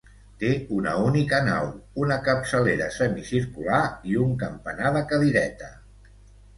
Té una única nau, una capçalera semicircular i un campanar de cadireta.